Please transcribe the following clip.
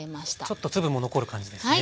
ちょっと粒も残る感じですね。